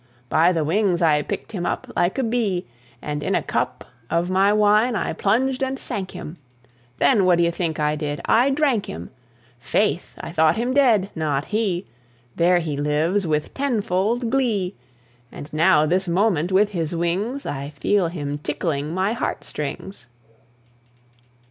By the wings I picked him up Like a bee, and in a cup Of my wine I plunged and sank him, Then what d'ye think I did? I drank him. Faith, I thought him dead. Not he! There he lives with tenfold glee; And now this moment with his wings I feel him tickling my heart strings.